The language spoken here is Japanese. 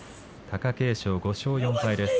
貴景勝、５勝４敗です。